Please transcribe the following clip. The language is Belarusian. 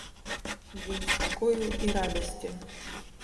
Дзень спакою і радасці.